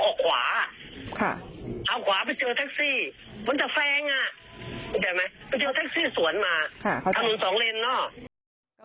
ออกขวาเอาขวาไปเจอแท็กซี่เหมือนจะแฟงไปเจอแท็กซี่สวนมาทำหนึ่งสองเลนเนาะ